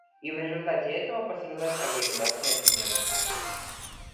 И в результате этого пострадает Организация Объединенных Наций.